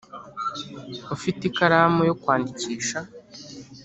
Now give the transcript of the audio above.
ufite ikaramu yokwandikisha